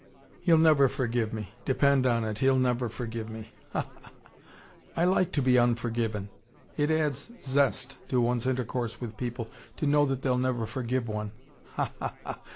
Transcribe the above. "He'll never forgive me. Depend on it, he'll never forgive me. Ha ha! I like to be unforgiven. It adds ZEST to one's intercourse with people, to know that they'll never forgive one. Ha ha ha!